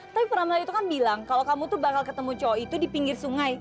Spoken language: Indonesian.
tapi pramlan itu kan bilang kalau kamu tuh bakal ketemu cowok itu di pinggir sungai